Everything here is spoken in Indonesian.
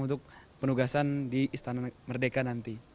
untuk penugasan di istana merdeka nanti